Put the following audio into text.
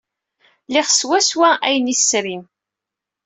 Liɣ swawa ayen ay tesrim.